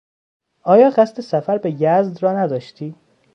آیا قصد سفر به یزد را نداشتی؟